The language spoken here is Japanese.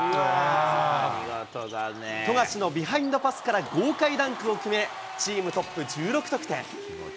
富樫のビハインドパスから豪快ダンクを決め、チームトップ１６得点。